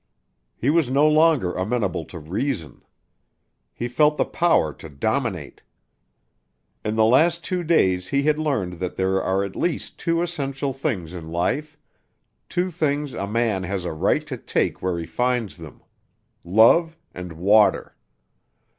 He was no longer amenable to reason. He felt the power to dominate. In the last two days he had learned that there are at least two essential things in life two things a man has a right to take where he finds them love and water.